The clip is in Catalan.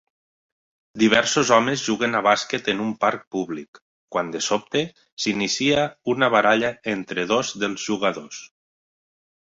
Diversos homes juguen a bàsquet en un parc públic quan, de sobte, s'inicia una baralla entre dos dels jugadors.